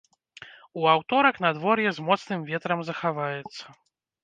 У аўторак надвор'е з моцным ветрам захаваецца.